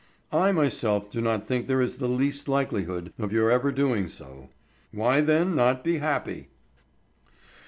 I myself do not think there is the least likelihood of your ever doing so. Why then not be happy?"